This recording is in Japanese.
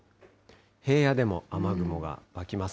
平野でも雨雲が湧きます。